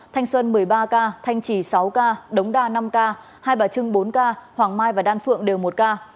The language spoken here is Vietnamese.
thanh xuân một mươi ba ca thanh trì sáu ca đống đa năm ca hai bà trưng bốn ca hoàng mai và đan phượng đều một ca